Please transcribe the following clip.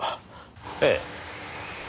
ええ。